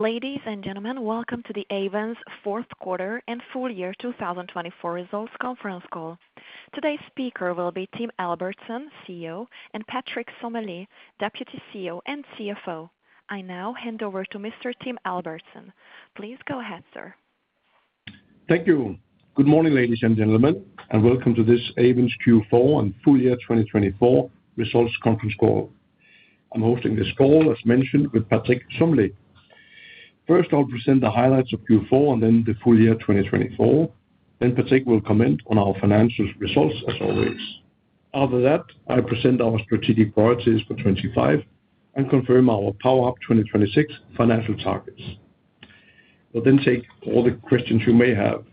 Ladies and gentlemen, welcome to the Ayvens' Fourth Quarter and Full Year 2024 Results Conference Call. Today's speaker will be Tim Albertsen, CEO, and Patrick Sommelet, Deputy CEO and CFO. I now hand over to Mr. Tim Albertsen. Please go ahead, sir. Thank you. Good morning, ladies and gentlemen, and welcome to this Ayvens' Q4 and Full Year 2024 Results Conference Call. I'm hosting this call, as mentioned, with Patrick Sommelet. First, I'll present the highlights of Q4 and then the full year 2024. Then Patrick will comment on our financial results, as always. After that, I'll present our strategic priorities for 2025 and confirm our PowerUP 2026 financial targets. We'll then take all the questions you may have.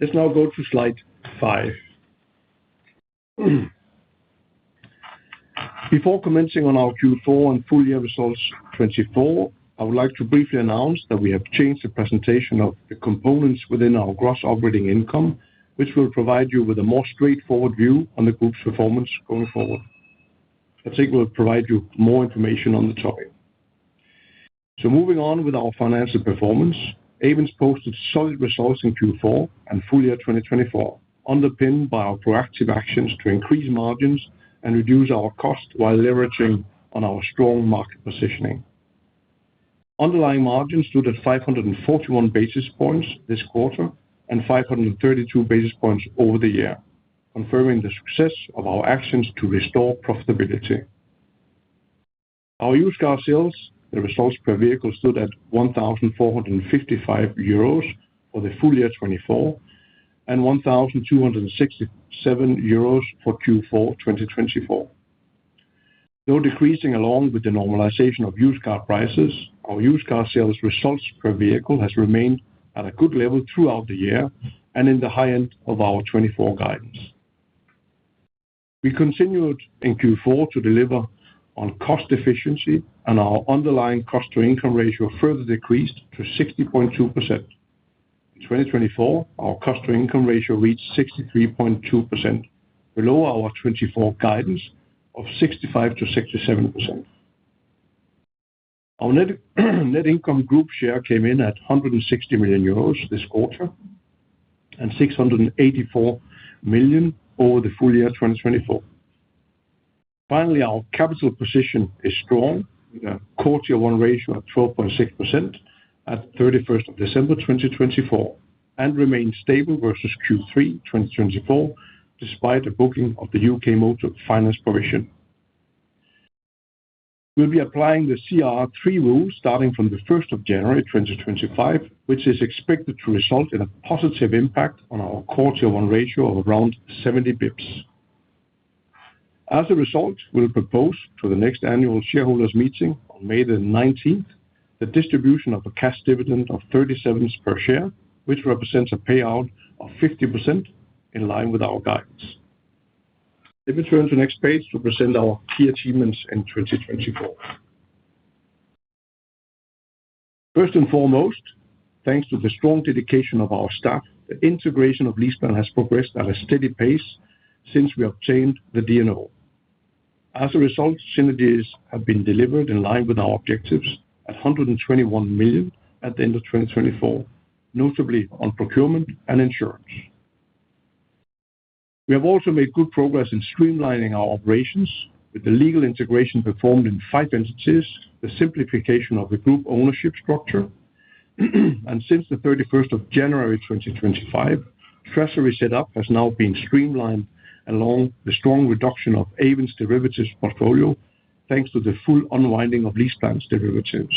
Let's now go to slide five. Before commenting on our Q4 and full year results 2024, I would like to briefly announce that we have changed the presentation of the components within our gross operating income, which will provide you with a more straightforward view on the group's performance going forward. Patrick will provide you more information on the topic. Moving on with our financial performance, Ayvens posted solid results in Q4 and full year 2024, underpinned by our proactive actions to increase margins and reduce our cost while leveraging on our strong market positioning. Underlying margins stood at 541 basis points this quarter and 532 basis points over the year, confirming the success of our actions to restore profitability. Our used car sales, the results per vehicle, stood at 1,455 euros for the full year 2024 and 1,267 euros for Q4 2024. Though decreasing along with the normalization of used car prices, our used car sales results per vehicle have remained at a good level throughout the year and in the high end of our 2024 guidance. We continued in Q4 to deliver on cost efficiency, and our underlying cost-to-income ratio further decreased to 60.2%. In 2024, our cost-to-income ratio reached 63.2%, below our 2024 guidance of 65%-67%. Our net income group share came in at 160 million euros this quarter and 684 million over the full year 2024. Finally, our capital position is strong with a CET1 ratio of 12.6% at 31st of December 2024 and remains stable versus Q3 2024 despite the booking of the UK motor finance provision. We'll be applying the CRR3 rule starting from the 1st of January 2025, which is expected to result in a positive impact on our CET1 ratio of around 70 basis points. As a result, we'll propose to the next annual shareholders' meeting on May the 19th the distribution of a cash dividend of 0.30 per share, which represents a payout of 50% in line with our guidance. Let me turn to the next page to present our key achievements in 2024. First and foremost, thanks to the strong dedication of our staff, the integration of LeasePlan has progressed at a steady pace since we obtained the DNO. As a result, synergies have been delivered in line with our objectives at 121 million at the end of 2024, notably on procurement and insurance. We have also made good progress in streamlining our operations with the legal integration performed in five entities, the simplification of the group ownership structure, and since the 31st of January 2025, treasury setup has now been streamlined along the strong reduction of Ayvens' derivatives portfolio thanks to the full unwinding of LeasePlan's derivatives.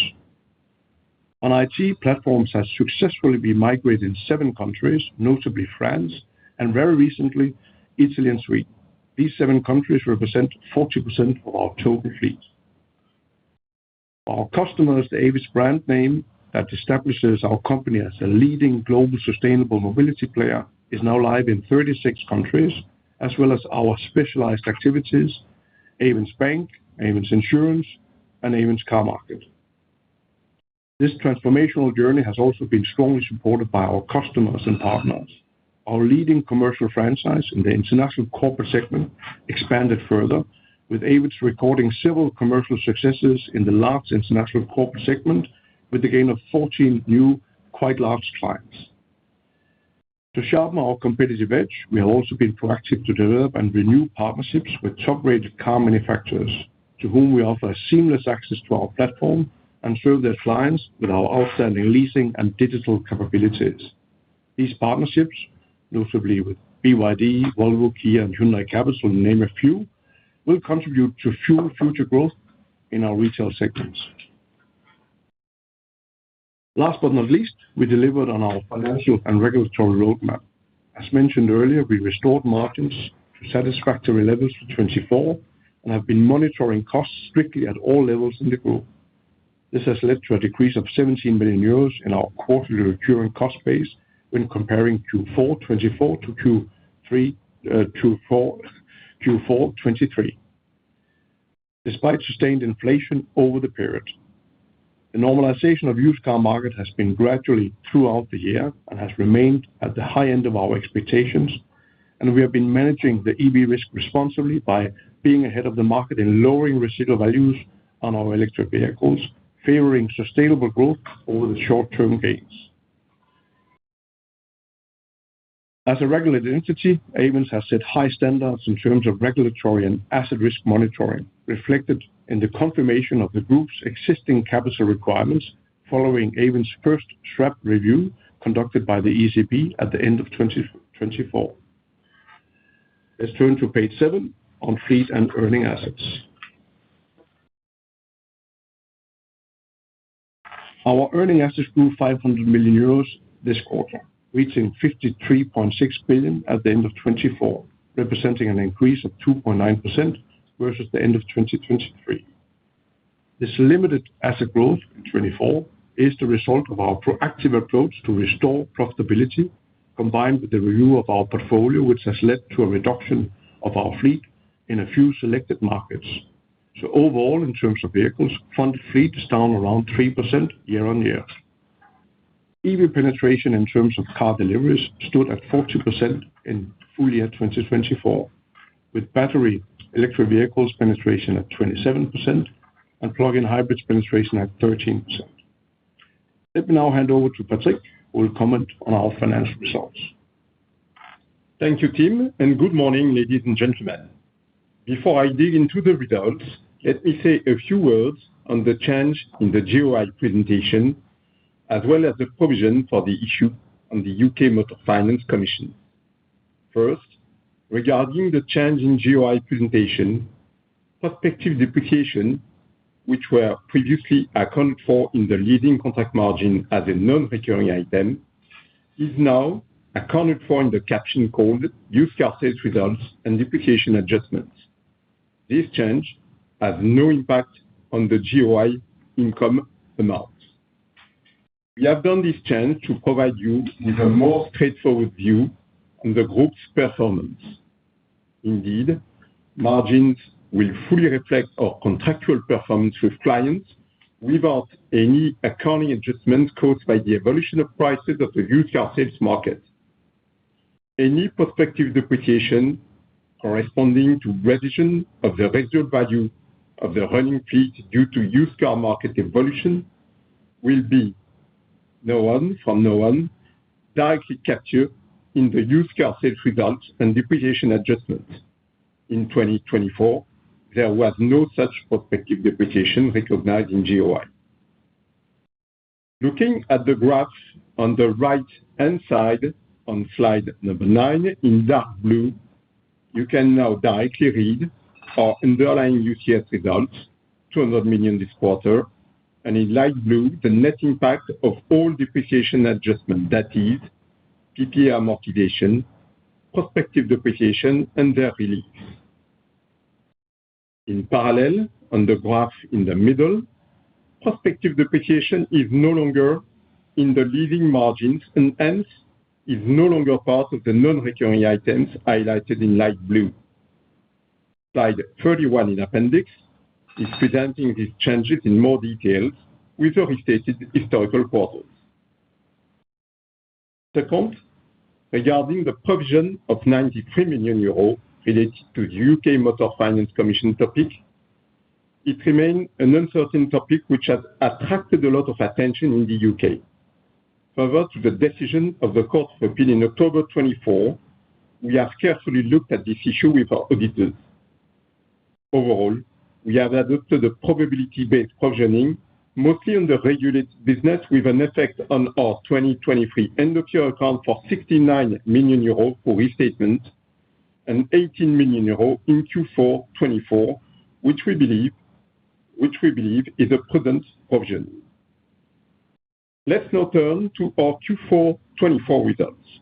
On IT, platforms have successfully been migrated in seven countries, notably France and very recently Italy and Sweden. These seven countries represent 40% of our total fleet. Our customers, the Ayvens brand name that establishes our company as a leading global sustainable mobility player, is now live in 36 countries, as well as our specialized activities, Ayvens Bank, Ayvens Insurance, and Ayvens Carmarket. This transformational journey has also been strongly supported by our customers and partners. Our leading commercial franchise in the international corporate segment expanded further, with Ayvens recording several commercial successes in the large international corporate segment, with the gain of 14 new quite large clients. To sharpen our competitive edge, we have also been proactive to develop and renew partnerships with top-rated car manufacturers, to whom we offer seamless access to our platform and serve their clients with our outstanding leasing and digital capabilities. These partnerships, notably with BYD, Volvo, Kia, and Hyundai Capital, to name a few, will contribute to fuel future growth in our retail segments. Last but not least, we delivered on our financial and regulatory roadmap. As mentioned earlier, we restored margins to satisfactory levels for 2024 and have been monitoring costs strictly at all levels in the group. This has led to a decrease of 17 million euros in our quarterly recurring cost base when comparing Q4 2024 to Q4 2023, despite sustained inflation over the period. The normalization of the used car market has been gradual throughout the year and has remained at the high end of our expectations, and we have been managing the EV risk responsibly by being ahead of the market in lowering residual values on our electric vehicles, favoring sustainable growth over the short-term gains. As a regulated entity, Ayvens has set high standards in terms of regulatory and asset risk monitoring, reflected in the confirmation of the group's existing capital requirements following Ayvens' first SREP review conducted by the ECB at the end of 2024. Let's turn to page seven on fleet and earning assets. Our earning assets grew 500 million euros this quarter, reaching 53.6 billion at the end of 2024, representing an increase of 2.9% versus the end of 2023. This limited asset growth in 2024 is the result of our proactive approach to restore profitability, combined with the review of our portfolio, which has led to a reduction of our fleet in a few selected markets. So overall, in terms of vehicles, funded fleet is down around 3% year on year. EV penetration in terms of car deliveries stood at 40% in full year 2024, with battery electric vehicles penetration at 27% and plug-in hybrids penetration at 13%. Let me now hand over to Patrick, who will comment on our financial results. Thank you, Tim, and good morning, ladies and gentlemen. Before I dig into the results, let me say a few words on the change in the GOI presentation, as well as the provision for the issue on the UK Motor Finance commission. First, regarding the change in GOI presentation, prospective depreciation, which was previously accounted for in the leasing contract margin as a non-recurring item, is now accounted for in the caption called "Used Car Sales Results and Depreciation Adjustments." This change has no impact on the GOI income amount. We have done this change to provide you with a more straightforward view on the group's performance. Indeed, margins will fully reflect our contractual performance with clients without any accounting adjustments caused by the evolution of prices of the used car sales market. Any prospective depreciation corresponding to revision of the residual value of the running fleet due to used car market evolution will be, from now on directly captured in the used car sales results and depreciation adjustments. In 2024, there was no such prospective depreciation recognized in GOI. Looking at the graph on the right-hand side on slide number nine in dark blue, you can now directly read our underlying UCS results, 200 million this quarter, and in light blue, the net impact of all depreciation adjustments, that is, PPA amortization, prospective depreciation, and their release. In parallel, on the graph in the middle, prospective depreciation is no longer in the leasing margins and hence is no longer part of the non-recurring items highlighted in light blue. Slide 31 in appendix is presenting these changes in more detail with the restated historical quarters. Second, regarding the provision of 93 million euros related to the UK Motor Finance commission topic, it remains an uncertain topic which has attracted a lot of attention in the UK. Further to the decision of the Court of Appeal in October 2024, we have carefully looked at this issue with our auditors. Overall, we have adopted a probability-based provisioning, mostly on the regulated business, with an effect on our 2023 end-of-year account for 69 million euro for restatement and 18 million euro in Q4 2024, which we believe is a prudent provision. Let's now turn to our Q4 2024 results.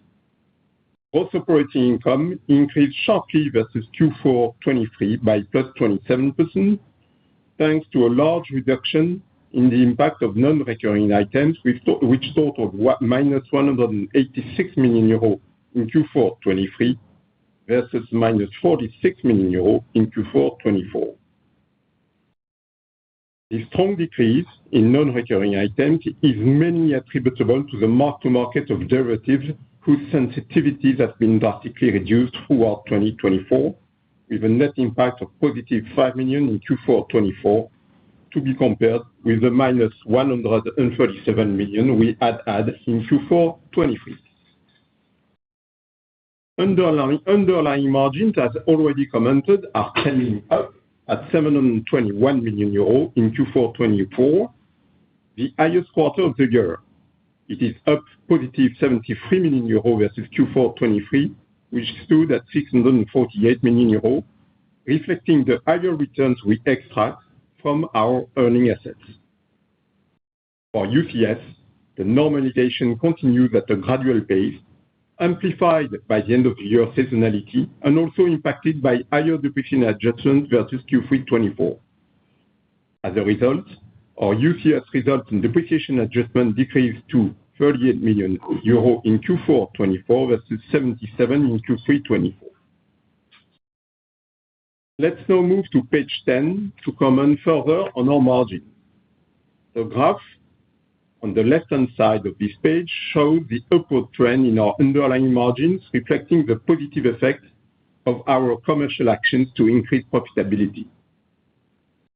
Gross operating income increased sharply versus Q4 2023 by plus 27%, thanks to a large reduction in the impact of non-recurring items, which totaled minus 186 million euro in Q4 2023 versus minus 46 million euro in Q4 2024. The strong decrease in non-recurring items is mainly attributable to the mark-to-market of derivatives, whose sensitivities have been drastically reduced throughout 2024, with a net impact of positive 5 million in Q4 2024 to be compared with the minus 137 million we had had in Q4 2023. Underlying margins, as already commented, are trending up at 721 million euros in Q4 2024, the highest quarter of the year. It is up positive 73 million euro versus Q4 2023, which stood at 648 million euro, reflecting the higher returns we extract from our earning assets. For UCS, the normalization continues at a gradual pace, amplified by the end-of-year seasonality and also impacted by higher depreciation adjustments versus Q3 2024. As a result, our UCS results in depreciation adjustment decreased to 38 million euro in Q4 2024 versus 77 million in Q3 2024. Let's now move to page 10 to comment further on our margins. The graph on the left-hand side of this page shows the upward trend in our underlying margins, reflecting the positive effect of our commercial actions to increase profitability.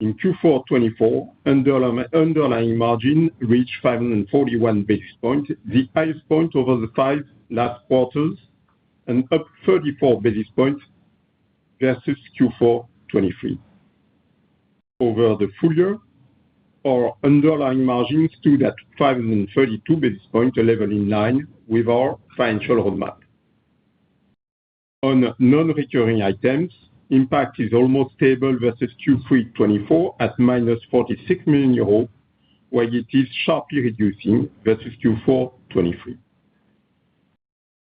In Q4 2024, underlying margin reached 541 basis points, the highest point over the five last quarters, and up 34 basis points versus Q4 2023. Over the full year, our underlying margins stood at 532 basis points, a level in line with our financial roadmap. On non-recurring items, impact is almost stable versus Q3 2024 at minus 46 million euros, where it is sharply reducing versus Q4 2023.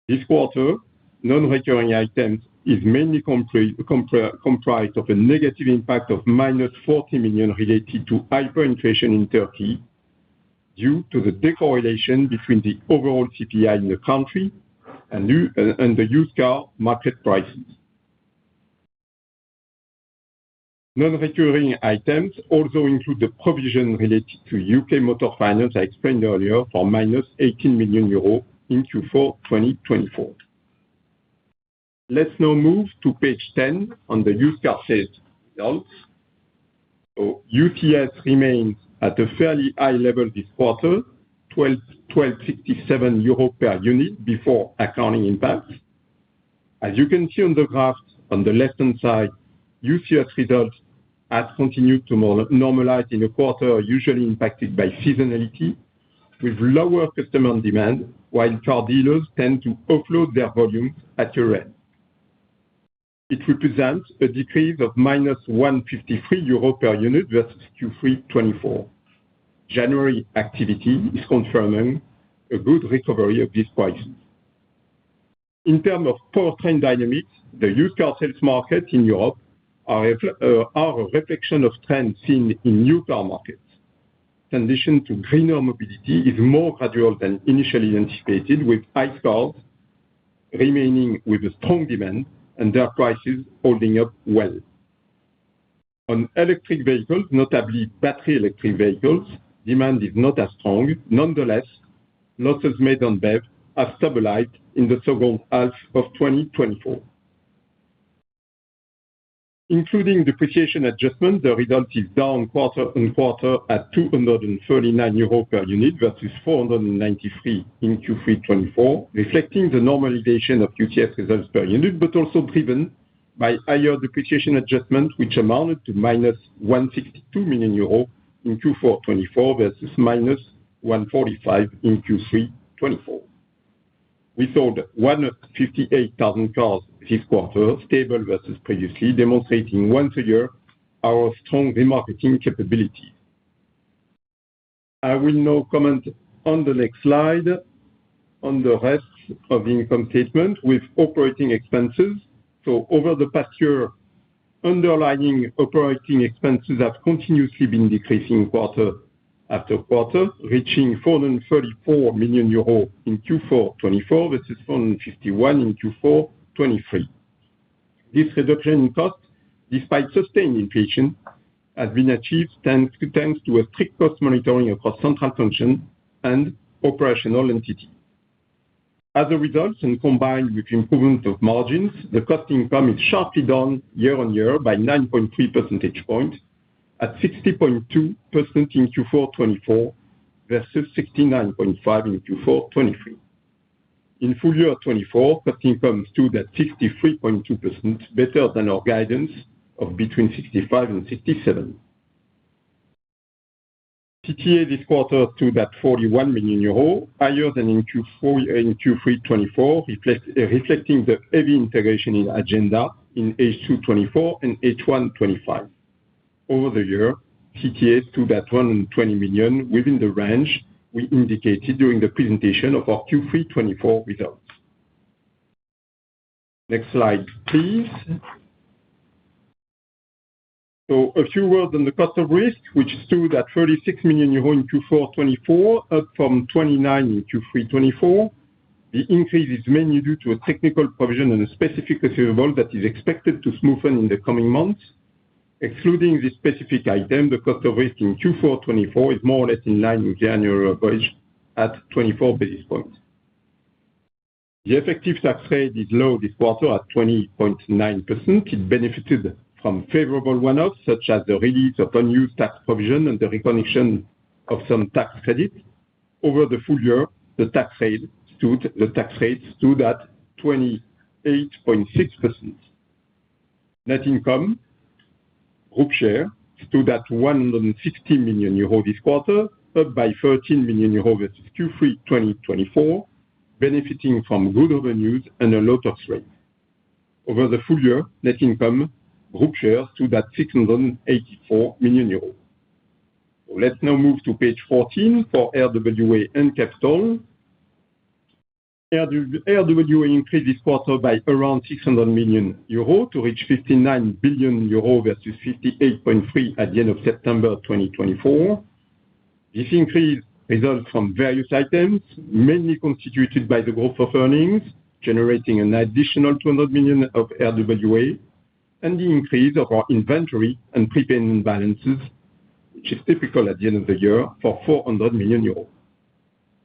This quarter, non-recurring items is mainly comprised of a negative impact of minus 40 million related to hyperinflation in Turkey due to the decorrelation between the overall CPI in the country and the used car market prices. Non-recurring items also include the provision related to UK Motor Finance I explained earlier for minus 18 million euros in Q4 2024. Let's now move to page 10 on the used car sales results. UCS remains at a fairly high level this quarter, 1267 euro per unit before accounting impacts. As you can see on the graph on the left-hand side, UCS results have continued to normalize in a quarter usually impacted by seasonality, with lower customer demand, while car dealers tend to offload their volumes at year end. It represents a decrease of minus 153 euro per unit versus Q3 2024. January activity is confirming a good recovery of these prices. In terms of powertrain dynamics, the used car sales market in Europe are a reflection of trends seen in new car markets. Transition to greener mobility is more gradual than initially anticipated, with ICE cars remaining with a strong demand and their prices holding up well. On electric vehicles, notably battery electric vehicles, demand is not as strong. Nonetheless, losses made on BEV have stabilized in the second half of 2024. Including depreciation adjustments, the result is down quarter on quarter at 239 euro per unit versus 493 in Q3 2024, reflecting the normalization of UCS results per unit, but also driven by higher depreciation adjustments, which amounted to -162 million euros in Q4 2024 versus -145 in Q3 2024. We sold 158,000 cars this quarter, stable versus previously, demonstrating once again our strong remarketing capabilities. I will now comment on the next slide on the rest of the income statement with operating expenses. So over the past year, underlying operating expenses have continuously been decreasing quarter after quarter, reaching 434 million euros in Q4 2024 versus 451 in Q4 2023. This reduction in cost, despite sustained inflation, has been achieved thanks to a strict cost monitoring across central functions and operational entities. As a result, and combined with improvement of margins, the cost income is sharply down year-on-year by 9.3 percentage points at 60.2% in Q4 2024 versus 69.5% in Q4 2023. In full year 2024, cost income stood at 63.2%, better than our guidance of between 65% and 67%. CTA this quarter stood at 41 million euro, higher than in Q3 2024, reflecting the heavy integration agenda in H2 2024 and H1 2025. Over the year, CTA stood at 120 million, within the range we indicated during the presentation of our Q3 2024 results. Next slide, please. A few words on the cost of risk, which stood at 36 million euro in Q4 2024, up from 29 million in Q3 2024. The increase is mainly due to a technical provision and a specific receivable that is expected to smoothen in the coming months. Excluding this specific item, the cost of risk in Q4 2024 is more or less in line with the annual average at 24 basis points. The effective tax rate is low this quarter at 20.9%. It benefited from favorable one-offs, such as the release of unused tax provision and the reconnection of some tax credits. Over the full year, the tax rate stood at 28.6%. Net income, group share, stood at 160 million euro this quarter, up by 13 million euro versus Q3 2024, benefiting from good revenues and a low tax rate. Over the full year, net income, group share, stood at 684 million euros. Let's now move to page 14 for RWA and Capital. RWA increased this quarter by around 600 million euro to reach 59 billion euro versus 58.3 billion at the end of September 2024. This increase results from various items, mainly constituted by the growth of earnings, generating an additional 200 million of RWA, and the increase of our inventory and prepayment balances, which is typical at the end of the year, for 400 million euros.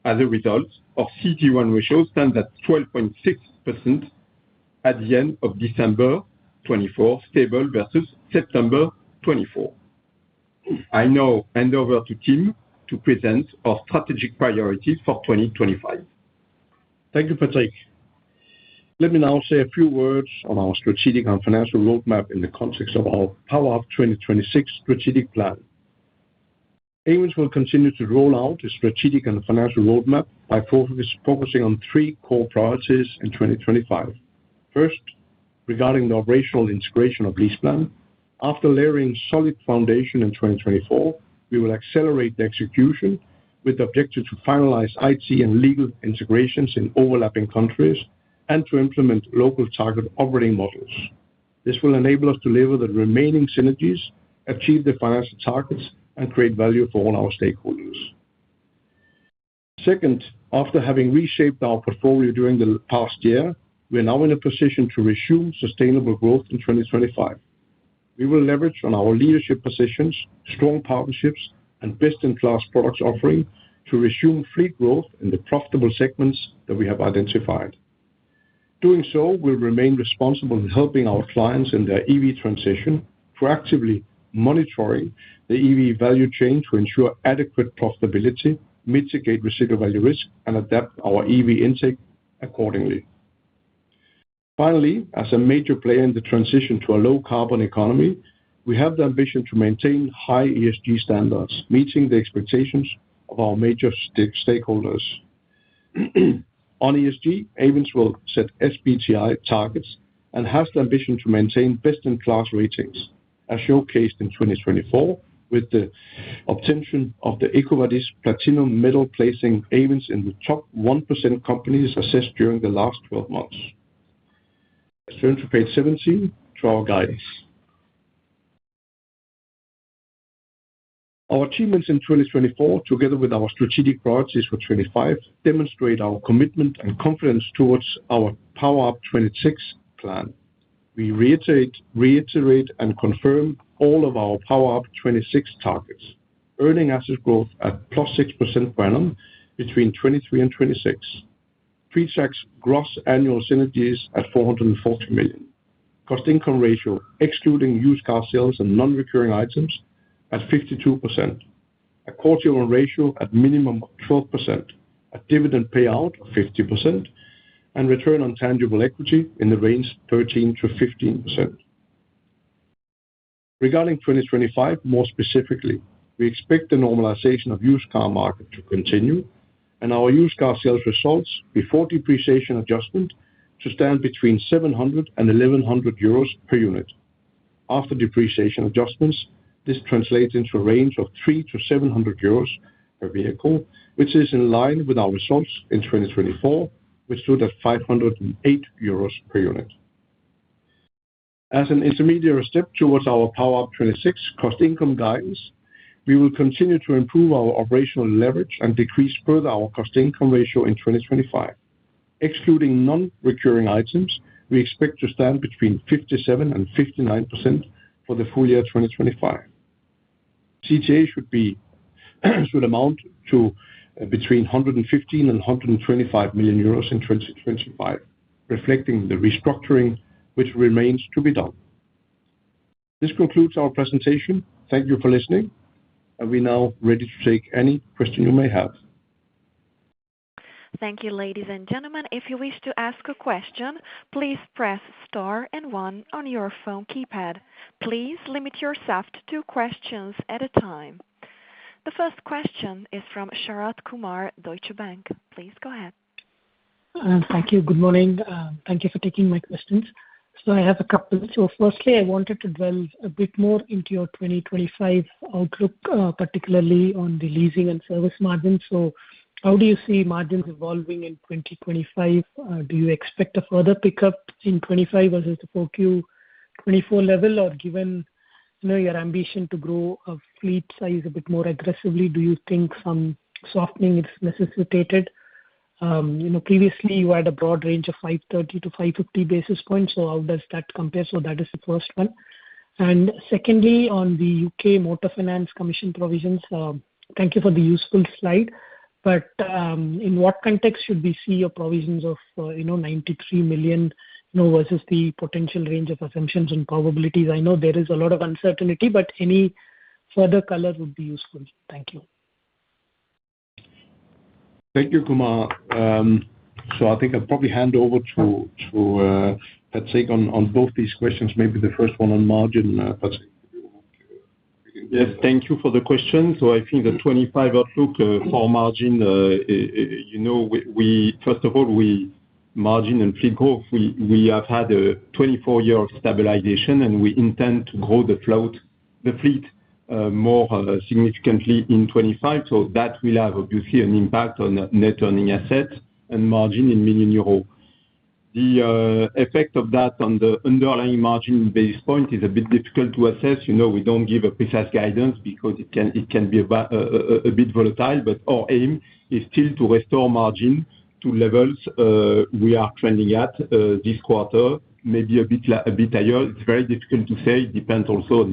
As a result, our CET1 ratio stands at 12.6% at the end of December 2024, stable versus September 2024. I now hand over to Tim to present our strategic priorities for 2025. Thank you, Patrick. Let me now share a few words on our strategic and financial roadmap in the context of our PowerUP 2026 strategic plan. Ayvens will continue to roll out the strategic and financial roadmap by focusing on three core priorities in 2025. First, regarding the operational integration of LeasePlan. After laying a solid foundation in 2024, we will accelerate the execution with the objective to finalize IT and legal integrations in overlapping countries and to implement local target operating models. This will enable us to leverage the remaining synergies, achieve the financial targets, and create value for all our stakeholders. Second, after having reshaped our portfolio during the past year, we are now in a position to resume sustainable growth in 2025. We will leverage our leadership positions, strong partnerships, and best-in-class product offering to resume fleet growth in the profitable segments that we have identified. Doing so, we'll remain responsible in helping our clients in their EV transition, proactively monitoring the EV value chain to ensure adequate profitability, mitigate residual value risk, and adapt our EV intake accordingly. Finally, as a major player in the transition to a low-carbon economy, we have the ambition to maintain high ESG standards, meeting the expectations of our major stakeholders. On ESG, Ayvens will set SBTi targets and has the ambition to maintain best-in-class ratings, as showcased in 2024, with the obtaining of the EcoVadis Platinum Medal placing Ayvens in the top 1% companies assessed during the last 12 months. Let's turn to page 17 to our guidance. Our achievements in 2024, together with our strategic priorities for 2025, demonstrate our commitment and confidence towards our PowerUP 2026 plan. We reiterate and confirm all of our PowerUP 2026 targets, earning assets growth at plus 6% per annum between 2023 and 2026, pre-tax gross annual synergies at 440 million, cost-to-income ratio, excluding used car sales and non-recurring items, at 52%, a CET1 ratio at minimum of 12%, a dividend payout of 50%, and return on tangible equity in the range 13% to 15%. Regarding 2025, more specifically, we expect the normalization of the used car market to continue, and our used car sales results before depreciation adjustment to stand between 700 and 1,100 euros per unit. After depreciation adjustments, this translates into a range of 300 to 700 euros per vehicle, which is in line with our results in 2024, which stood at 508 euros per unit. As an intermediary step towards our PowerUP 2026 cost-to-income guidance, we will continue to improve our operational leverage and decrease further our cost-to-income ratio in 2025. Excluding non-recurring items, we expect to stand between 57% and 59% for the full year 2025. CTA should amount to between 115 million euros and 125 million euros in 2025, reflecting the restructuring which remains to be done. This concludes our presentation. Thank you for listening. Are we now ready to take any questions you may have? Thank you, ladies and gentlemen. If you wish to ask a question, please press star and one on your phone keypad. Please limit yourself to one question at a time. The first question is from Sharath Kumar, Deutsche Bank. Please go ahead. Thank you. Good morning. Thank you for taking my questions. So I have a couple. Firstly, I wanted to delve a bit more into your 2025 outlook, particularly on the leasing and service margins. How do you see margins evolving in 2025? Do you expect a further pickup in 2025 versus the 4Q 2024 level? Or given your ambition to grow a fleet size a bit more aggressively, do you think some softening is necessitated? Previously, you had a broad range of 530-550 basis points. How does that compare? That is the first one. Secondly, on the UK Motor Finance commission provisions, thank you for the useful slide. But in what context should we see your provisions of 93 million versus the potential range of assumptions and probabilities? I know there is a lot of uncertainty, but any further color would be useful. Thank you. Thank you, Kumar. I think I'll probably hand over to Patrick on both these questions, maybe the first one on margin. Patrick. Yes, thank you for the question. I think the 2025 outlook for margin, first of all, margin and fleet growth, we have had a 2024-year stabilization, and we intend to grow the fleet more significantly in 2025. So that will have obviously an impact on net earning assets and margin in million EUR. The effect of that on the underlying margin in basis point is a bit difficult to assess. We don't give a precise guidance because it can be a bit volatile. But our aim is still to restore margin to levels we are trending at this quarter, maybe a bit higher. It's very difficult to say. It depends also on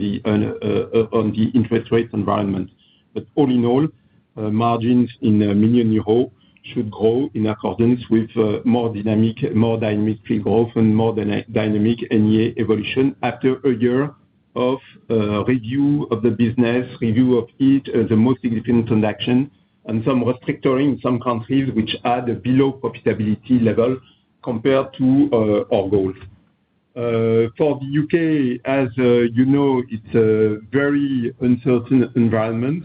the interest rate environment. But all in all, margins in millions of EUR should grow in accordance with more dynamic fleet growth and more dynamic NEA evolution after a year of review of the business, review of the IT, the most significant transaction, and some restrictions in some countries which had below profitability level compared to our goals. For the U.K., as you know, it is a very uncertain environment.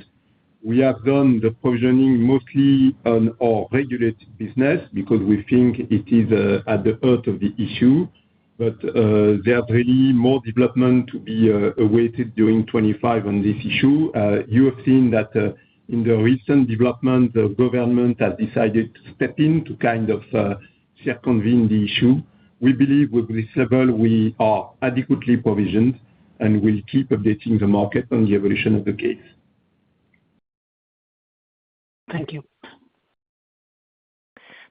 We have done the provisioning mostly on our regulated business because we think it is at the heart of the issue. But there are really more developments to be awaited during 2025 on this issue. You have seen that in the recent development, the government has decided to step in to kind of circumvent the issue. We believe with this level, we are adequately provisioned, and we will keep updating the market on the evolution of the case. Thank you.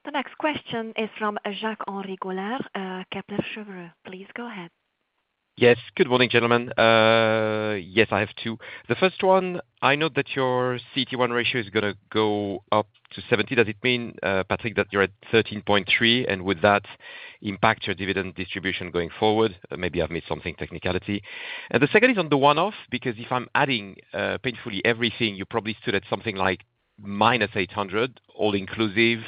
The next question is from Jacques-Henri Gaulard, Kepler Cheuvreux. Please go ahead. Yes. Good morning, gentlemen. Yes, I have two. The first one, I know that your CET1 ratio is going to go up to 70. Does it mean, Patrick, that you're at 13.3 and with that impact your dividend distribution going forward? Maybe I've missed something, technicality. And the second is on the one-off because if I'm adding painfully everything, you probably stood at something like minus 800 million, all inclusive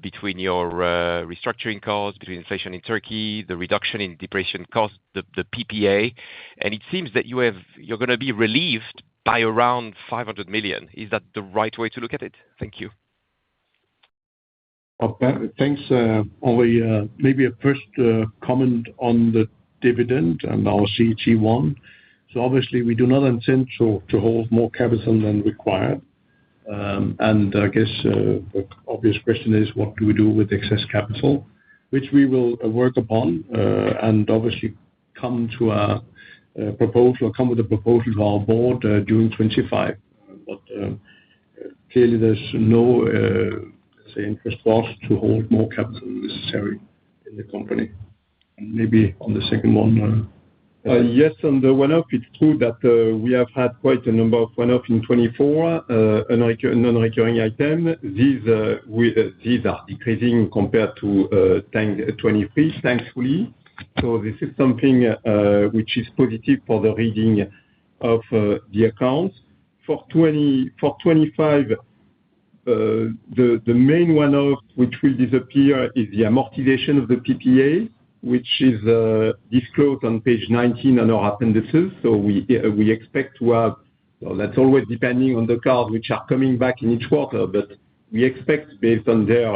between your restructuring costs, between inflation in Turkey, the reduction in depreciation costs, the PPA. And it seems that you're going to be relieved by around 500 million. Is that the right way to look at it? Thank you. Thanks. Maybe a first comment on the dividend and our CET1. So obviously, we do not intend to hold more capital than required. I guess the obvious question is, what do we do with excess capital, which we will work upon and obviously come to our proposal or come with a proposal to our board during 2025. But clearly, there's no interest cost to hold more capital necessary in the company. Maybe on the second one. Yes, on the one-off, it's true that we have had quite a number of one-offs in 2024, non-recurring items. These are decreasing compared to 2023, thankfully. This is something which is positive for the reading of the accounts. For 2025, the main one-off which will disappear is the amortization of the PPA, which is disclosed on page 19 on our appendices. We expect to have. That's always depending on the cars which are coming back in each quarter. But we expect, based on their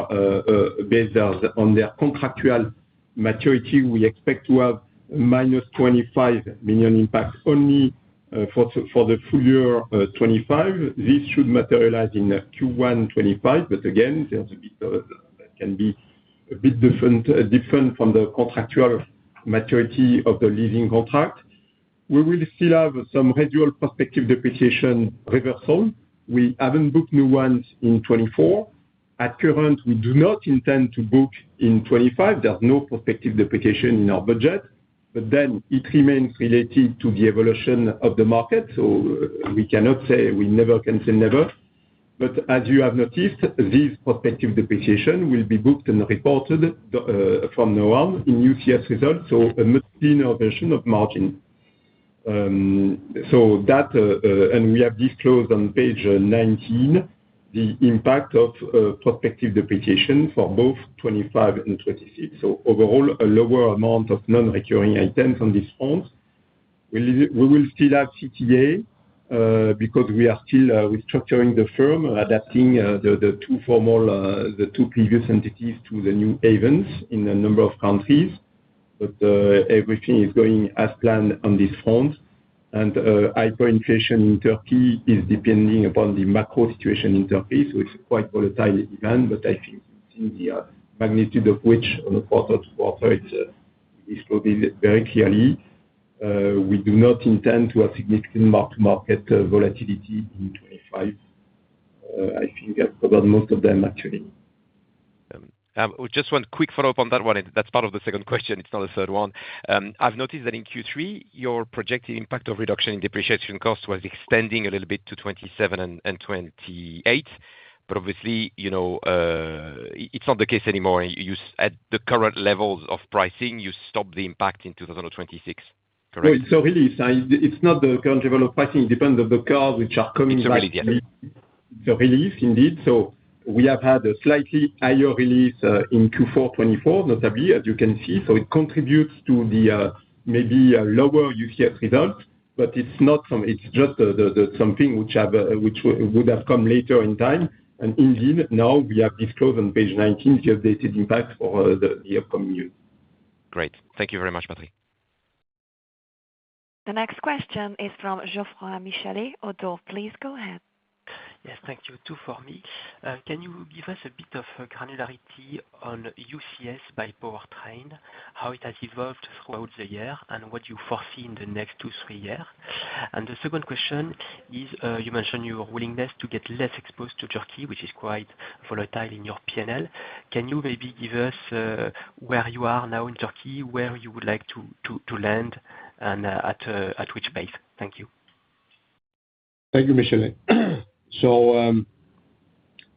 contractual maturity, we expect to have minus 25 million impact only for the full year 2025. This should materialize in Q1 2025. But again, there's a bit that can be a bit different from the contractual maturity of the leasing contract. We will still have some residual prospective depreciation reversal. We haven't booked new ones in 2024. Currently, we do not intend to book in 2025. There's no prospective depreciation in our budget. But then it remains related to the evolution of the market. So we cannot say we never can say never. But as you have noticed, these prospective depreciations will be booked and reported from now on in UCS results. So a much cleaner version of margin. So that, and we have disclosed on page 19 the impact of prospective depreciation for both 2025 and 2026. So overall, a lower amount of non-recurring items on this front. We will still have CTA because we are still restructuring the firm, adapting the two previous entities to the new Ayvens in a number of countries. But everything is going as planned on this front. And hyperinflation in Turkey is depending upon the macro situation in Turkey. So it's a quite volatile event. But I think you've seen the magnitude of which on a quarter-to-quarter, it's disclosed very clearly. We do not intend to have significant mark-to-market volatility in 2025. I think that's covered most of them, actually. Just one quick follow-up on that one. That's part of the second question. It's not a third one. I've noticed that in Q3, your projected impact of reduction in depreciation costs was extending a little bit to 2027 and 2028. But obviously, it's not the case anymore. At the current levels of pricing, you stopped the impact in 2026. Correct? So release, it's not the current level of pricing. It depends on the cars which are coming back. It's a release, yes. It's a release, indeed. So we have had a slightly higher release in Q4 2024, notably, as you can see. So it contributes to the maybe lower UCS results. But it's just something which would have come later in time. And indeed, now we have disclosed on page 19 the updated impact for the upcoming year. Great. Thank you very much, Patrick. The next question is from Geoffroy Michalet, Oddo. Please go ahead. Yes, thank you too for me. Can you give us a bit of granularity on UCS by powertrain, how it has evolved throughout the year, and what you foresee in the next two, three years? The second question is, you mentioned your willingness to get less exposed to Turkey, which is quite volatile in your P&L. Can you maybe give us where you are now in Turkey, where you would like to land, and at which base? Thank you. Thank you, Michalet.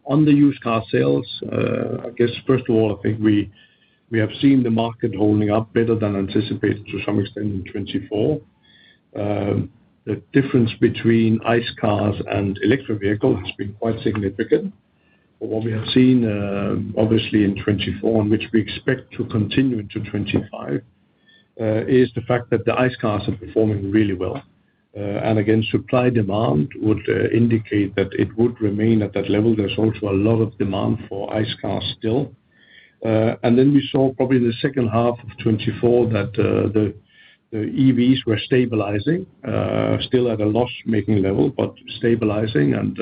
On the used car sales, I guess, first of all, I think we have seen the market holding up better than anticipated to some extent in 2024. The difference between ICE cars and electric vehicles has been quite significant. What we have seen, obviously, in 2024, and which we expect to continue into 2025, is the fact that the ICE cars are performing really well. Again, supply demand would indicate that it would remain at that level. There's also a lot of demand for ICE cars still. And then we saw probably in the second half of 2024 that the EVs were stabilizing, still at a loss-making level, but stabilizing. And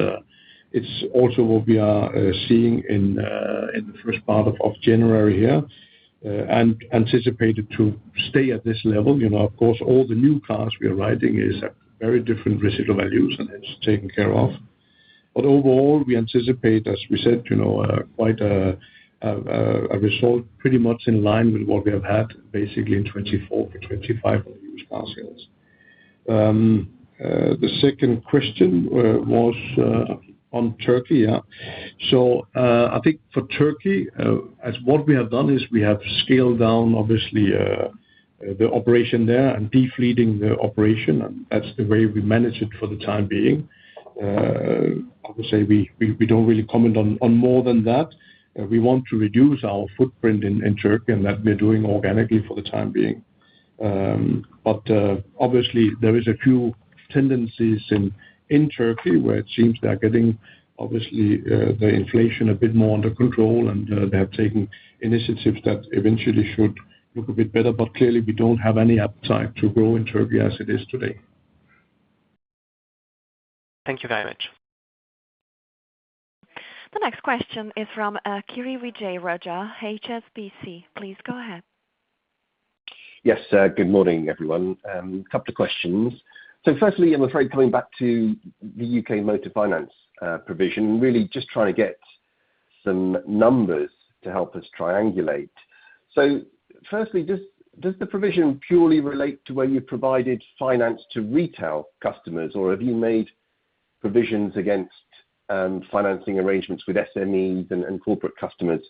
it's also what we are seeing in the first part of January here, and anticipated to stay at this level. Of course, all the new cars we are writing are at very different residual values, and it's taken care of. But overall, we anticipate, as we said, quite a result pretty much in line with what we have had basically in 2024 for 2025 on the used car sales. The second question was on Turkey. So I think for Turkey, what we have done is we have scaled down, obviously, the operation there and defleeting the operation. And that's the way we manage it for the time being. I would say we don't really comment on more than that. We want to reduce our footprint in Turkey and that we're doing organically for the time being. But obviously, there are a few tendencies in Turkey where it seems they're getting, obviously, the inflation a bit more under control, and they have taken initiatives that eventually should look a bit better. But clearly, we don't have any appetite to grow in Turkey as it is today. Thank you very much. The next question is from Kiri Vijayarajah, HSBC. Please go ahead. Yes. Good morning, everyone. A couple of questions. So firstly, I'm afraid coming back to the UK Motor Finance provision, really just trying to get some numbers to help us triangulate. So firstly, does the provision purely relate to where you've provided finance to retail customers, or have you made provisions against financing arrangements with SMEs and corporate customers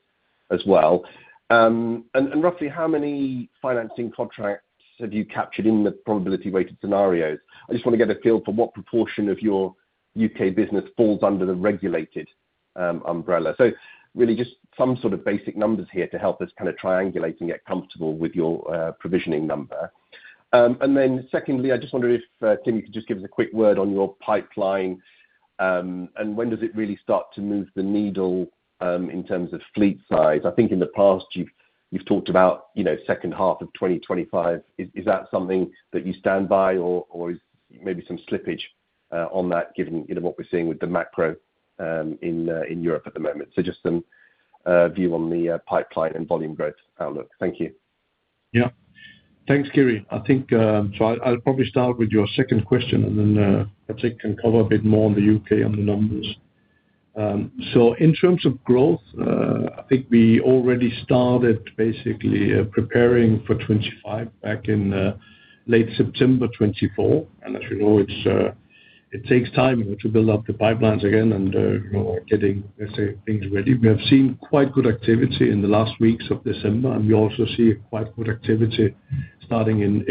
as well? And roughly, how many financing contracts have you captured in the probability-weighted scenarios? I just want to get a feel for what proportion of your U.K. business falls under the regulated umbrella. So really just some sort of basic numbers here to help us kind of triangulate and get comfortable with your provisioning number. And then secondly, I just wonder if Tim, you could just give us a quick word on your pipeline and when does it really start to move the needle in terms of fleet size? I think in the past, you've talked about second half of 2025. Is that something that you stand by, or is maybe some slippage on that given what we're seeing with the macro in Europe at the moment? So just some view on the pipeline and volume growth outlook. Thank you. Yeah. Thanks, Kiri. I think so. I'll probably start with your second question, and then Patrick can cover a bit more on the UK and the numbers. So in terms of growth, I think we already started basically preparing for 2025 back in late September 2024. And as you know, it takes time to build up the pipelines again and getting things ready. We have seen quite good activity in the last weeks of December, and we also see quite good activity starting in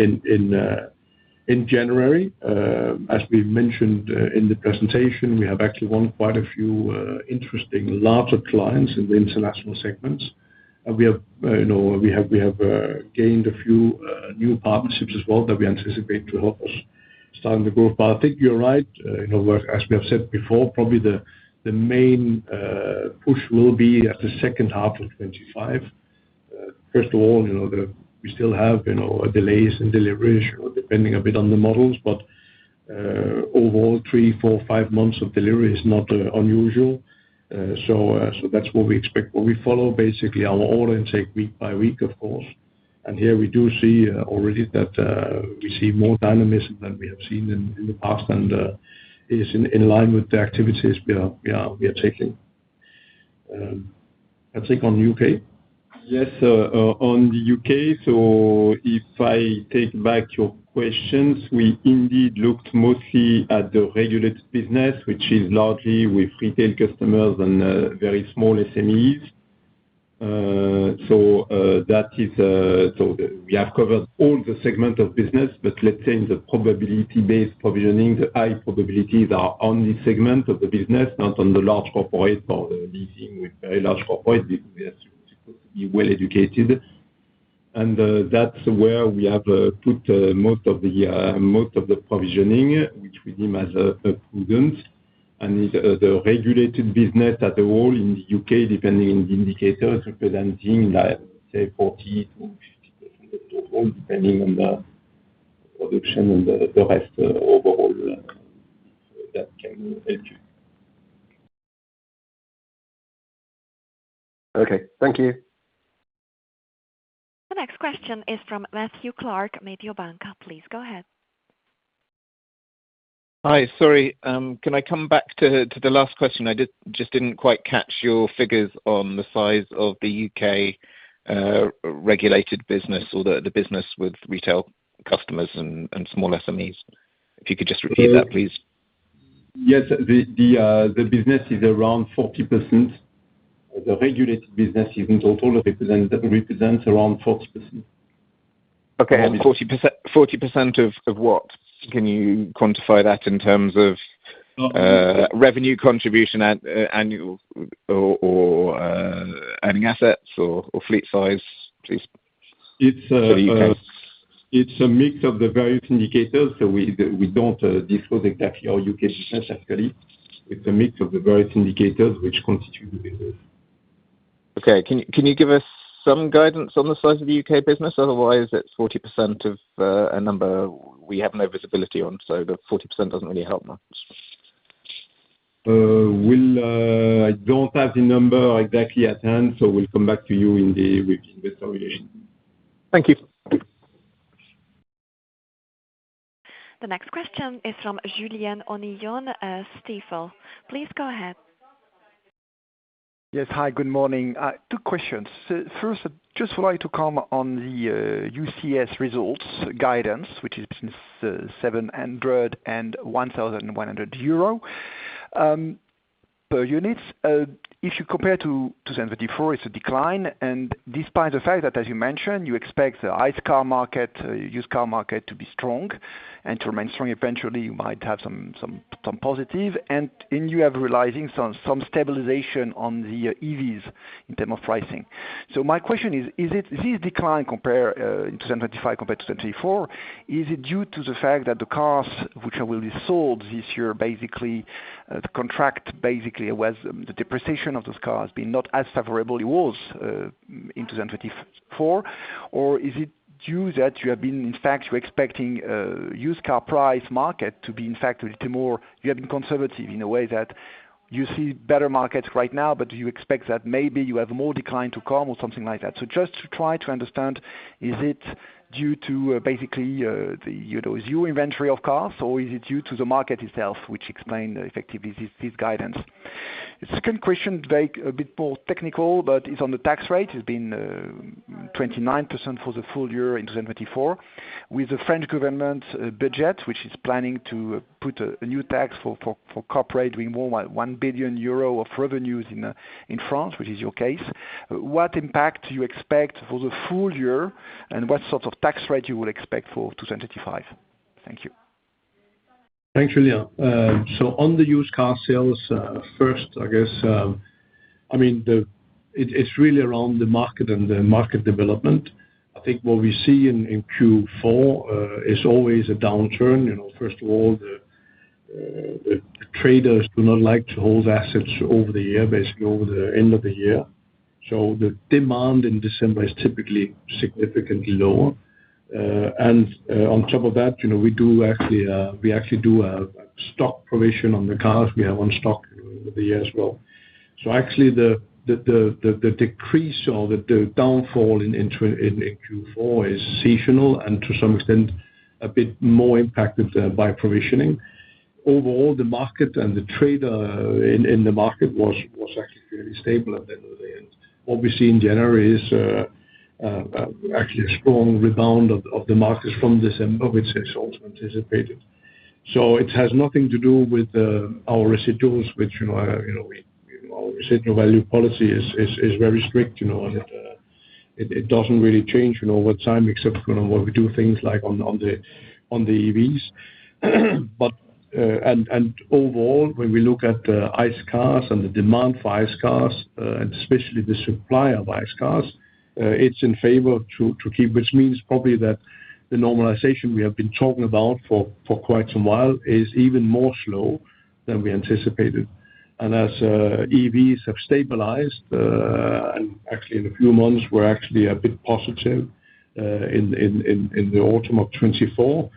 January. As we mentioned in the presentation, we have actually won quite a few interesting larger clients in the international segments. We have gained a few new partnerships as well that we anticipate to help us start the growth. But I think you're right. As we have said before, probably the main push will be at the second half of 2025. First of all, we still have delays in delivery, depending a bit on the models, but overall, three, four, five months of delivery is not unusual. So that's what we expect, but we follow basically our order intake week by week, of course, and here we do see already that we see more dynamism than we have seen in the past, and it's in line with the activities we are taking. Patrick, on the U.K.? Yes. On the U.K., so if I take back your questions, we indeed looked mostly at the regulated business, which is largely with retail customers and very small SMEs. So we have covered all the segments of business, but let's say in the probability-based provisioning, the high probabilities are on the segment of the business, not on the large corporate or the leasing with very large corporate because they are supposed to be well-educated. And that's where we have put most of the provisioning, which we deem as prudence. And the regulated business at all in the U.K., depending on the indicators, representing, let's say, 40%-50% of the total, depending on the production and the rest overall. That can help you. Okay. Thank you. The next question is from Matthew Clark, Mediobanca. Please go ahead. Hi. Sorry. Can I come back to the last question? I just didn't quite catch your figures on the size of the U.K. regulated business or the business with retail customers and small SMEs. If you could just repeat that, please. Yes. The business is around 40%. The regulated business in total represents around 40%. Okay. And 40% of what? Can you quantify that in terms of revenue contribution, annual or earning assets, or fleet size, please? It's a mix of the various indicators. So we don't disclose exactly our U.K. business, actually. It's a mix of the various indicators which constitute the business. Okay. Can you give us some guidance on the size of the UK business? Otherwise, it's 40% of a number we have no visibility on. So the 40% doesn't really help much. I don't have the number exactly at hand, so we'll come back to you with the investor relations. Thank you. The next question is from Julien Onillon, Stifel. Please go ahead. Yes. Hi. Good morning. Two questions. First, I just would like to comment on the UCS results guidance, which is between 700 and 1,100 euro per unit. If you compare to 2024, it's a decline. And despite the fact that, as you mentioned, you expect the ICE car market, used car market, to be strong and to remain strong eventually, you might have some positive. And you are realizing some stabilization on the EVs in terms of pricing. So my question is, is this decline in 2025 compared to 2024, is it due to the fact that the cars which will be sold this year, basically, the depreciation of those cars has been not as favorable it was in 2024? Or is it due that you have been, in fact, you're expecting used car price market to be, in fact, a little more you have been conservative in a way that you see better markets right now, but you expect that maybe you have more decline to come or something like that? So just to try to understand, is it due to basically your inventory of cars, or is it due to the market itself, which explains effectively this guidance? The second question, a bit more technical, but it's on the tax rate. It's been 29% for the full year in 2024. With the French government budget, which is planning to put a new tax for corporates doing more than 1 billion euro of revenues in France, which is your case, what impact do you expect for the full year and what sort of tax rate you will expect for 2025? Thank you. Thanks, Julien. So on the used car sales, first, I guess, I mean, it's really around the market and the market development. I think what we see in Q4 is always a downturn. First of all, traders do not like to hold assets over the year, basically over the end of the year. So the demand in December is typically significantly lower. On top of that, we actually do have stock provision on the cars we have on stock over the year as well. So actually, the decrease or the downfall in Q4 is seasonal and to some extent a bit more impacted by provisioning. Overall, the market and the trade in the market was actually fairly stable at the end of the year. Obviously, in January, it's actually a strong rebound of the markets from December, which is also anticipated. So it has nothing to do with our residuals, which our residual value policy is very strict, and it doesn't really change over time except when we do things like on the EVs. Overall, when we look at ICE cars and the demand for ICE cars, and especially the supply of ICE cars, it's in favor to keep, which means probably that the normalization we have been talking about for quite some while is even more slow than we anticipated. As EVs have stabilized, and actually in a few months, we're actually a bit positive in the autumn of 2024,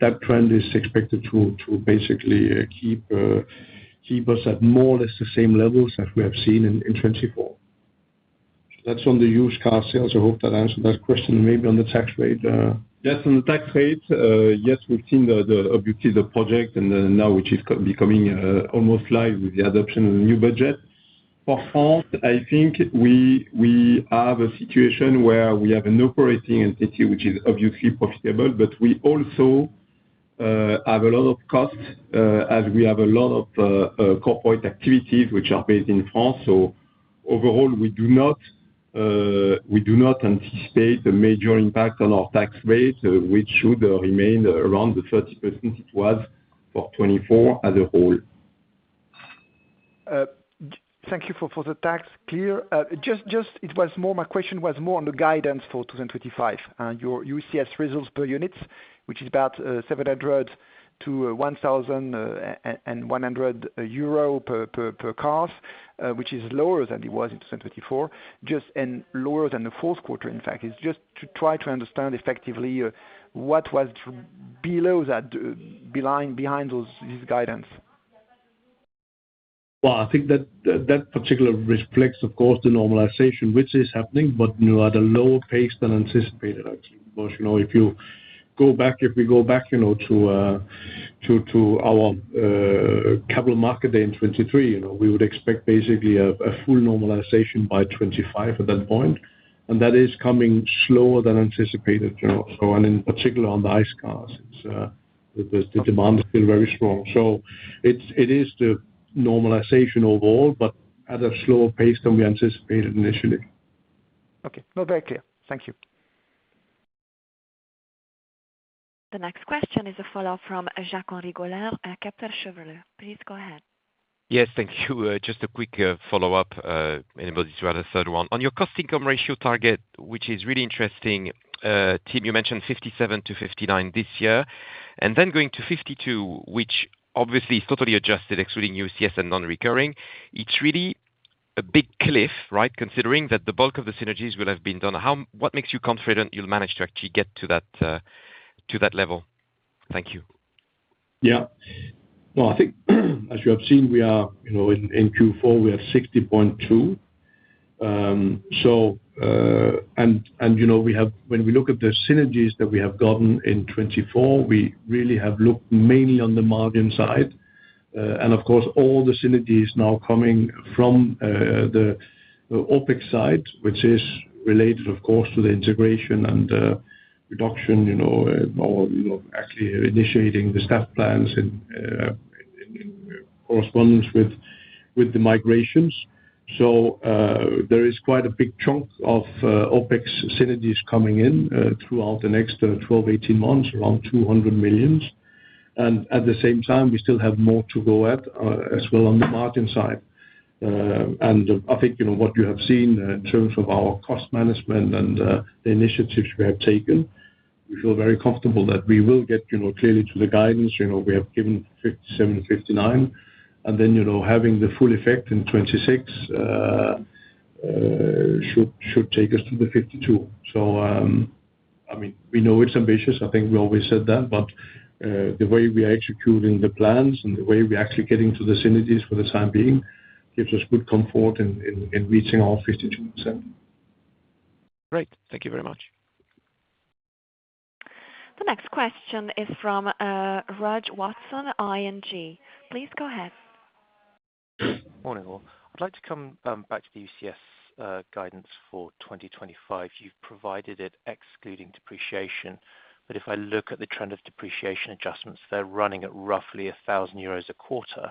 that trend is expected to basically keep us at more or less the same levels that we have seen in 2024. That's on the used car sales. I hope that answered that question. Maybe on the tax rate. Yes, on the tax rate. Yes, we've seen the objectives of the project, and now which is becoming almost live with the adoption of the new budget. For France, I think we have a situation where we have an operating entity which is obviously profitable, but we also have a lot of costs as we have a lot of corporate activities which are based in France. So overall, we do not anticipate a major impact on our tax rate, which should remain around the 30% it was for 2024 as a whole. Thank you for the tax clear. Just my question was more on the guidance for 2025. Your UCS results per unit, which is about 700-1,100 euro per car, which is lower than it was in 2024, just lower than the fourth quarter, in fact. It's just to try to understand effectively what was below that, behind this guidance. Well, I think that particular reflects, of course, the normalization, which is happening, but at a lower pace than anticipated, actually. Because if you go back, if we go back to our Capital Markets Day in 2023, we would expect basically a full normalization by 2025 at that point. And that is coming slower than anticipated. And in particular, on the ICE cars, the demand is still very strong. So it is the normalization overall, but at a slower pace than we anticipated initially. Okay. No, very clear. Thank you. The next question is a follow-up from Jacques-Henri Gaulard at Kepler Cheuvreux. Please go ahead. Yes. Thank you. Just a quick follow-up, and it was just rather a third one. On your cost-income ratio target, which is really interesting, Tim, you mentioned 57%-59% this year. And then going to 52%, which obviously is totally adjusted, excluding UCS and non-recurring, it's really a big cliff, right, considering that the bulk of the synergies will have been done. What makes you confident you'll manage to actually get to that level? Thank you. Yeah. Well, I think, as you have seen, we are in Q4. We are 60.2%. And when we look at the synergies that we have gotten in 2024, we really have looked mainly on the margin side. And of course, all the synergies now coming from the OpEx side, which is related, of course, to the integration and reduction, actually initiating the staff plans in correspondence with the migrations. So there is quite a big chunk of OpEx synergies coming in throughout the next 12-18 months, around 200 million. And at the same time, we still have more to go at as well on the margin side. I think what you have seen in terms of our cost management and the initiatives we have taken, we feel very comfortable that we will get clearly to the guidance we have given, 57%-59%. Then having the full effect in 2026 should take us to the 52%. So I mean, we know it's ambitious. I think we always said that. But the way we are executing the plans and the way we're actually getting to the synergies for the time being gives us good comfort in reaching our 52%. Great. Thank you very much. The next question is from Reg Watson, ING. Please go ahead. Morning. I'd like to come back to the UCS guidance for 2025. You've provided it excluding depreciation. But if I look at the trend of depreciation adjustments, they're running at roughly 1,000 euros a quarter.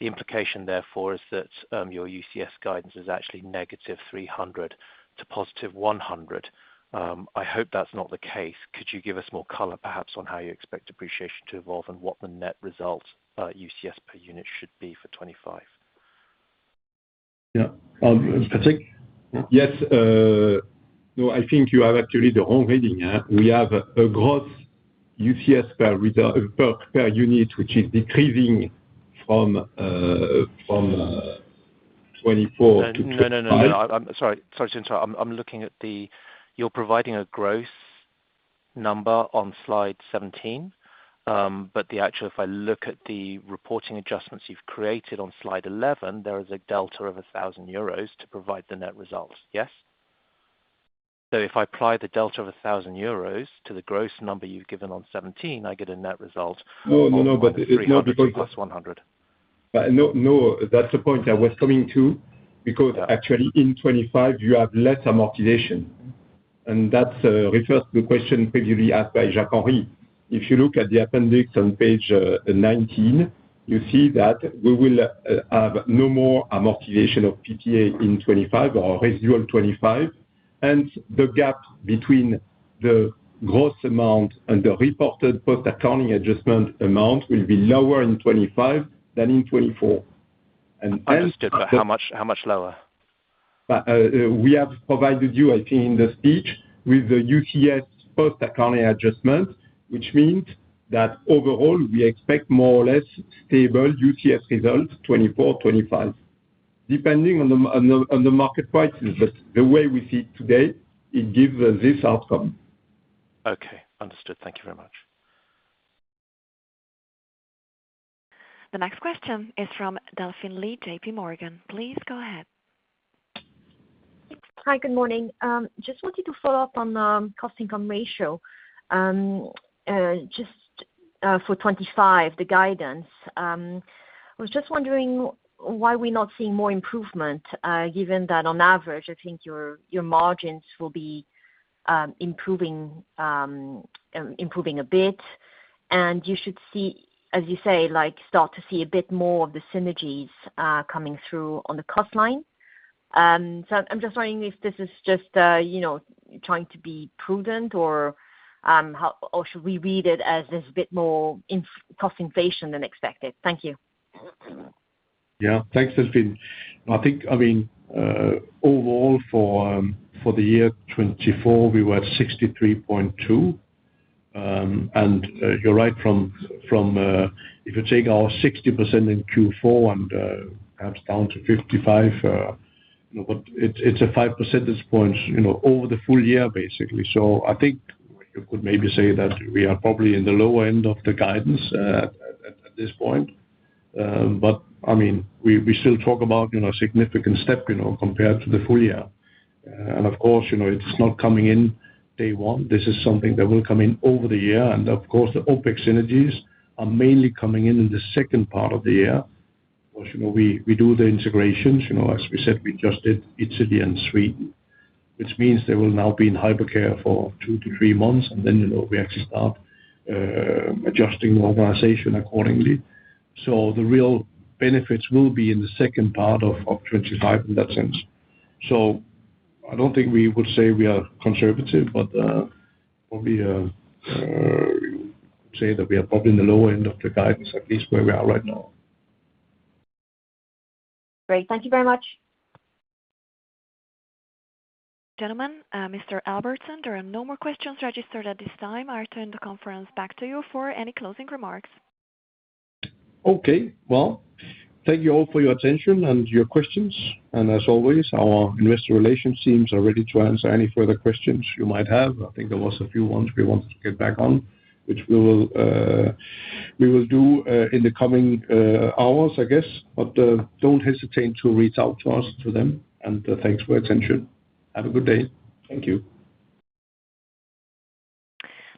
The implication, therefore, is that your UCS guidance is actually -300 to +100. I hope that's not the case. Could you give us more color, perhaps, on how you expect depreciation to evolve and what the net result UCS per unit should be for 2025? Yeah. Patrick? Yes. No, I think you have actually the wrong reading. We have a gross UCS per unit, which is decreasing from 2024 to 2025. No, no, no, no. Sorry. Sorry to interrupt. I'm looking at the gross number you're providing on slide 17. But actually, if I look at the reporting adjustments you've created on slide 11, there is a delta of 1,000 euros to provide the net result. Yes? So if I apply the delta of 1,000 euros to the gross number you've given on 17, I get a net result of -EUR 300 to +EUR 100. No, no, no. But it's not because it's less 100. No, that's the point I was coming to. Because actually, in 2025, you have less amortization. And that refers to the question previously asked by Jacques-Henri. If you look at the appendix on page 19, you see that we will have no more amortization of PPA in 2025 or residual 2025. And the gap between the gross amount and the reported post-accounting adjustment amount will be lower in 2025 than in 2024. And how much lower? We have provided you, I think, in the speech, with the UCS post-accounting adjustment, which means that overall, we expect more or less stable UCS results 2024, 2025, depending on the market prices. But the way we see it today, it gives us this outcome. Okay. Understood. Thank you very much. The next question is from Delphine Lee, JPMorgan. Please go ahead. Hi. Good morning. Just wanted to follow up on the cost-income ratio just for 2025, the guidance. I was just wondering why we're not seeing more improvement, given that on average, I think your margins will be improving a bit. And you should see, as you say, start to see a bit more of the synergies coming through on the cost line. So I'm just wondering if this is just trying to be prudent, or should we read it as there's a bit more cost inflation than expected? Thank you. Yeah. Thanks, Delphine. I think, I mean, overall, for the year 2024, we were at 63.2%. And you're right from if you take our 60% in Q4 and perhaps down to 55%, but it's a 5 percentage points over the full year, basically. So I think you could maybe say that we are probably in the lower end of the guidance at this point. But I mean, we still talk about a significant step compared to the full year. And of course, it's not coming in day one. This is something that will come in over the year. And of course, the Ayvens synergies are mainly coming in in the second part of the year. Of course, we do the integrations. As we said, we just did Italy and Sweden, which means they will now be in hypercare for two to three months. And then we actually start adjusting the organization accordingly. So the real benefits will be in the second part of 2025 in that sense. So I don't think we would say we are conservative, but we would say that we are probably in the lower end of the guidance, at least where we are right now. Great. Thank you very much. Gentlemen, Mr. Albertsen, there are no more questions registered at this time. I'll turn the conference back to you for any closing remarks. Okay. Well, thank you all for your attention and your questions. And as always, our investor relations teams are ready to answer any further questions you might have. I think there were a few ones we wanted to get back on, which we will do in the coming hours, I guess. But don't hesitate to reach out to us, to them. And thanks for your attention. Have a good day. Thank you.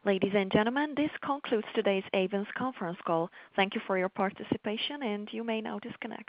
Ladies and gentlemen, this concludes today's Ayvens conference call. Thank you for your participation, and you may now disconnect.